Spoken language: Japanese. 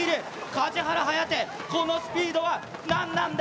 梶原颯、このスピードは何なんだ。